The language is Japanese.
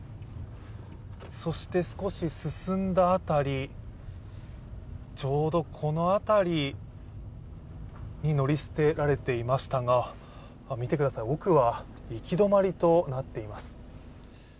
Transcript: そして、少し進んだ辺り、ちょうどこの辺りに乗り捨てられていましたが見てください、奥は行き止まりとなっています。